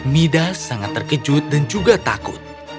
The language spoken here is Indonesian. mida sangat terkejut dan juga takut